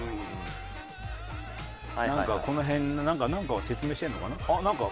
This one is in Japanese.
なんかこの辺のなんかを説明してるのかな？